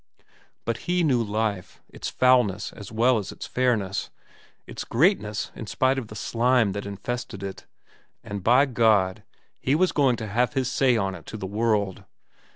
But he knew life, its foulness as well as its fairness, its greatness in spite of the slime that infested it, and by God he was going to have his say on it to the world.